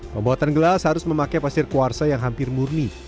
pembuatan gelas harus memakai pasir kuarsa yang hampir murni